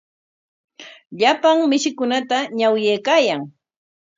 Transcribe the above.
Llapan mishikunata ñawyaykaayan.